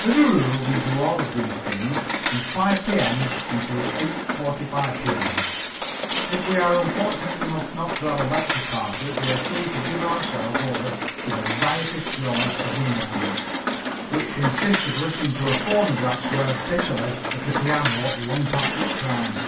As a rule we do all of these things. From 5 p.m. until 8:45 p.m. if we are unfortunate enough not to have a lecture party we are free to give ourselves over to the riotous joy of the moment, which consists of listening to a phonograph swear bitterly at a piano long past its prime.